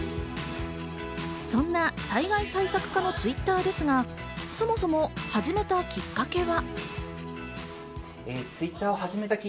そんな災害対策課のＴｗｉｔｔｅｒですが、そもそも始めたきっかけは。